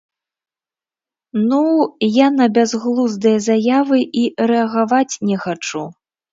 Ну-у, я на бязглуздыя заявы і рэагаваць не хачу.